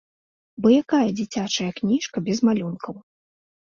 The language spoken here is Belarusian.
Бо якая дзіцячая кніжка без малюнкаў?